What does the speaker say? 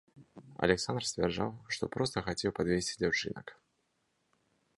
Аляксандр сцвярджаў, што проста хацеў падвезці дзяўчынак.